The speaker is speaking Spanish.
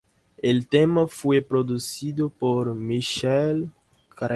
El tema fue producido por Michael Cretu.